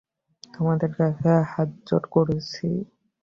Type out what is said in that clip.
তোমাদের কাছে হাতজোড় করছি!